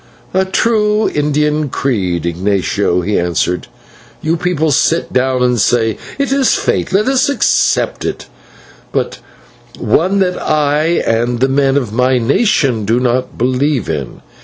"A true Indian creed, Ignatio," he answered; "you people sit down and say 'It is fate, let us accept it' but one that I and the men of my nation do not believe in.